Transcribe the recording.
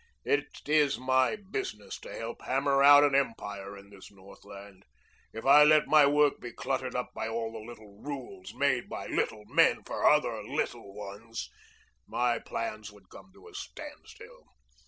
It is my business to help hammer out an empire in this Northland. If I let my work be cluttered up by all the little rules made by little men for other little ones, my plans would come to a standstill.